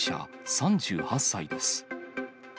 ３８歳です。